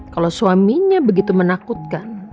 kalau suaminya begitu menakutkan